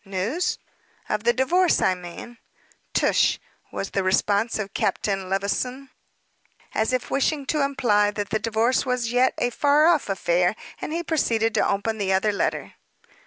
"News!" "Of the divorce, I mean?" "Tush!" was the response of Captain Levison, as if wishing to imply that the divorce was yet a far off affair, and he proceeded to open the other letter.